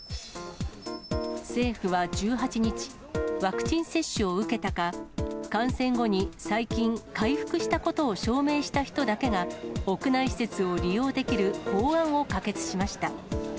政府は１８日、ワクチン接種を受けたか、感染後に最近回復したことを証明した人だけが、屋内施設を利用できる法案を可決しました。